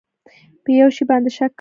په یو شي باندې شک کول